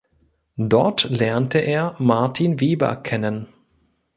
Dort lernte er Martin Weber kennen.